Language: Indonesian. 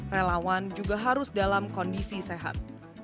relawan juga harus dalam kondisi sehat